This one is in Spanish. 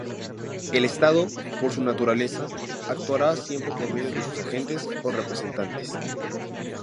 El Estado, por su naturaleza, actuará siempre por medio de sus agentes o representantes.